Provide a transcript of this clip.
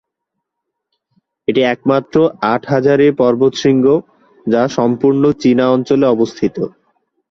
এটি একমাত্র আট-হাজারী পর্বতশৃঙ্গ যা সম্পূর্ণ চীনা অঞ্চলে অবস্থিত।